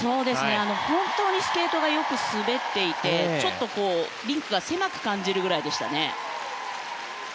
本当にスケートがよく滑っていてちょっとリンクが狭く感じるぐらいでしたね。